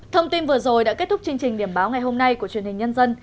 thông tin vừa rồi đã kết thúc chương trình điểm báo ngày hôm nay của truyền hình nhân dân